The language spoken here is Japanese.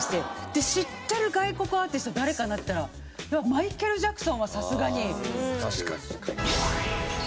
で知ってる外国アーティスト誰かなっていったらマイケル・ジャクソンはさすがに。